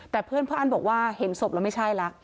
แต่เพื่อนพระอันบอกว่าเห็นศพแล้วไม่ใช่แล้ว